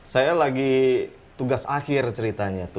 saya lagi tugas akhir ceritanya